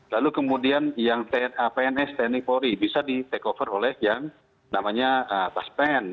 lalu kemudian yang tnapns tni polri bisa di takeover oleh yang namanya taspen